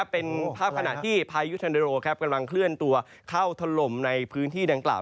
เป็นภาพขณะที่พายุทันเดโรกำลังเคลื่อนตัวเข้าถล่มในพื้นที่ดังกล่าว